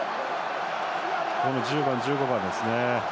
１０番、１５番ですね。